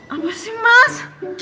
apa sih mas